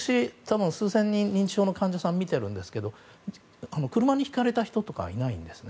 数千人認知症の患者さんを診ているんですけど車にひかれた人とかはいないんですね。